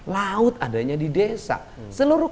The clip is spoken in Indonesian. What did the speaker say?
laut adanya di desa seluruh